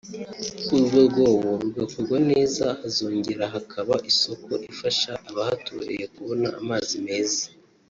uru rwobo rugakorwa neza hazongera hakaba isoko ifasha abahaturiye kubona amazi meza